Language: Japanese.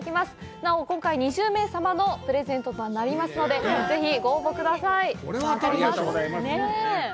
なお今回２０名様へのプレゼントとなりますので、ぜひ、ご応募ください。